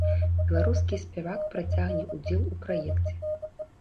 Беларускі спявак працягне ўдзел у праекце.